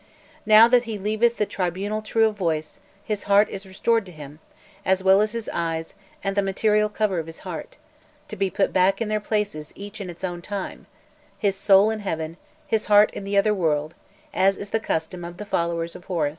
Now that he leaveth the tribunal true of voice, his heart is restored to him, as well as his eyes and the material cover of his heart, to be put back in their places each in its own time, his soul in heaven, his heart in the other world, as is the custom of the "Followers of Horus."